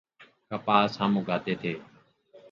کپاس ہم اگاتے تھے۔